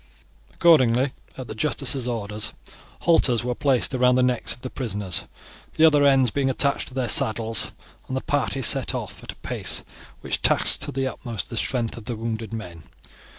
Accordingly, at the justice's orders, halters were placed round the necks of the prisoners, the other ends being attached to the saddles, and the party set off at a pace which taxed to the utmost the strength of the wounded men.